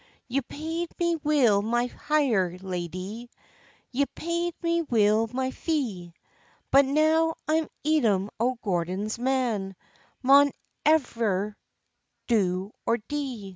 "Ye paid me weel my hire, ladye, Ye paid me weel my fee; But now I'm Edom o' Gordon's man, Maun either do or dee."